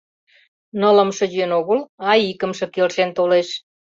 Нылымше йӧн огыл, а икымше келшен толеш.